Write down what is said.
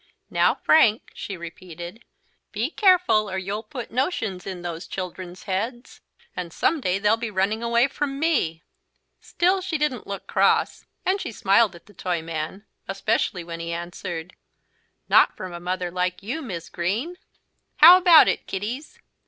"Now, Frank," she repeated, "be careful or you'll put notions in those children's heads, and some day they'll be running away from me." Still she didn't look cross, and she smiled at the Toyman, especially when he answered: "Not from a mother like you, Mis' Green. How about it, kiddies?"